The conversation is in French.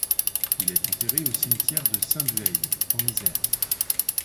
Il est enterré au cimetière de Saint-Bueil en Isère.